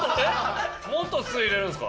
もっと酢入れるんすか？